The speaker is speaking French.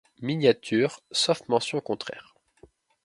Miniatures, sauf mention contraire.